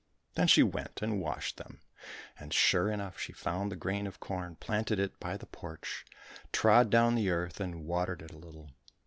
— Then she went and washed them, and sure enough she found the grain of corn, planted it by the porch, trod down the earth, and watered it a little.